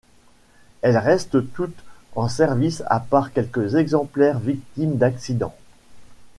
Elles restent toutes en service à part quelques exemplaires victimes d'accidents.